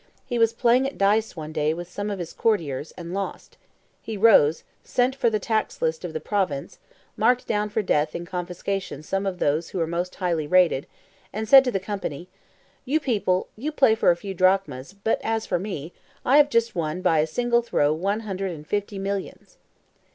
He was playing at dice one day with some of his courtiers, and lost; he rose, sent for the tax list of the province, marked down for death and confiscation some of those who were most highly rated, and said to the company, "You people, you play for a few drachmas; but as for me, I have just won by a single throw one hundred and fifty millions."